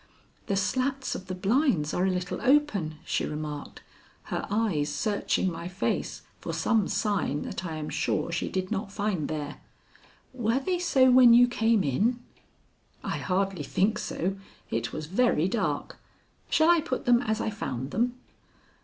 "The slats of the blinds are a little open," she remarked, her eyes searching my face for some sign that I am sure she did not find there. "Were they so when you came in?" "I hardly think so; it was very dark. Shall I put them as I found them?"